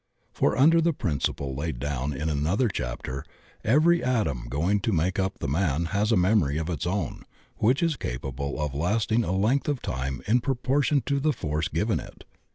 For under the principle laid down in another chapter, every atom going to make up the man has a memory of its own which is capable of lasting a length of time in proportion to the force given it.